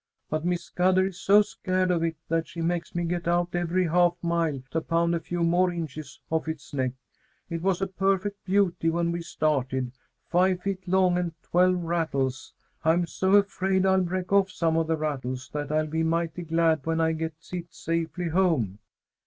But Miss Scudder is so scared of it that she makes me get out every half mile to pound a few more inches off its neck. It was a perfect beauty when we started, five feet long and twelve rattles. I'm so afraid I'll break off some of the rattles that I'll be mighty glad when I get it safely home."